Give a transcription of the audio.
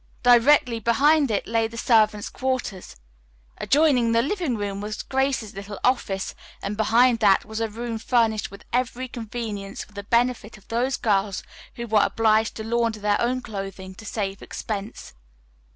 Directly behind it lay the servants' quarters. Adjoining the living room was Grace's little office and behind that was a room furnished with every convenience for the benefit of those girls who were obliged to launder their own clothing to save expense.